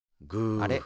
あれ？